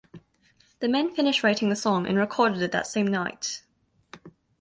The men finished writing the song and recorded it that same night.